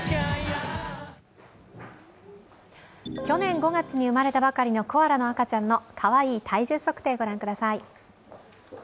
去年５月に生まれたばかりのコアラの赤ちゃんのかわいい体重測定、御覧ください。